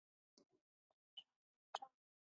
详细内容和来源请阅读分别的介绍文章。